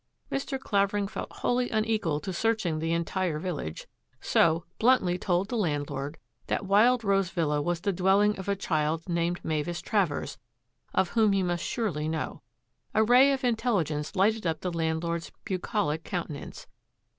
Mr. Claver ing felt wholly unequal to searching the entire vil lage, so bluntly told the landlord that Wild Rose Villa was the dwelling of a child named Mavis Travers, of whom he must surely know. A ray of intelligence lighted up the landlord's bucolic countenance.